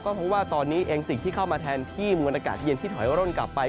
เพราะว่าตอนนี้เองสิ่งที่เข้ามาแทนที่มวลอากาศเย็นที่ถอยร่นกลับไป